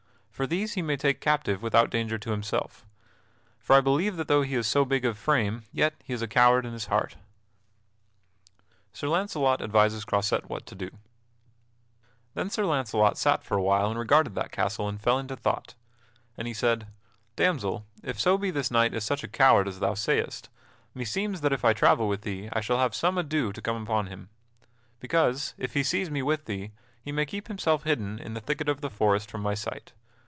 For these he may take captive without danger to himself. For I believe that though he is so big of frame yet is he a coward in his heart." [Sidenote: Sir Launcelot advises Croisette what to do] Then Sir Launcelot sat for a while and regarded that castle, and fell into thought; and he said, "Damsel, if so be this knight is such a coward as thou sayest, meseems that if I travel with thee I shall have some ado to come upon him; because, if he sees me with thee, he may keep himself hidden in the thicket of the forest from my sight.